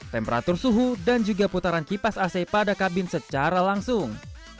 temperatur suhu dan juga putaran kipas ac pada kabin secara langsung